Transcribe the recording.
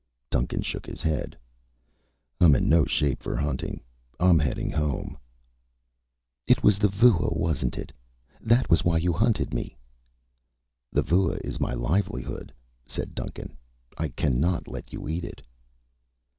Duncan shook his head. "I'm in no shape for hunting. I am heading home." "It was the vua, wasn't it? That was why you hunted me?" "The vua is my livelihood," said Duncan. "I cannot let you eat it."